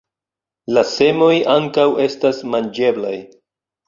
La semoj ankaŭ estas manĝeblaj.